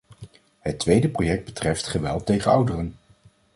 Het tweede project betreft geweld tegen ouderen.